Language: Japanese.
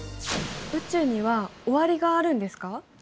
宇宙には終わりがあるんですか？